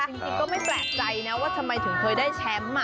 จริงก็ไม่แปลกใจนะว่าทำไมถึงเคยได้แชมป์